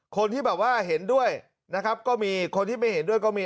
คนที่แบบว่าเห็นด้วยนะครับก็มีคนที่ไม่เห็นด้วยก็มี